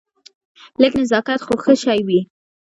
لږ نزاکت خو ښه شی وي.